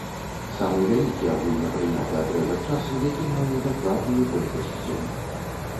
Самы вялікі агульнапрыняты адрэзак часу, які мае дакладную колькасць дзён.